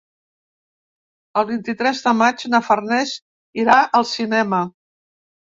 El vint-i-tres de maig na Farners irà al cinema.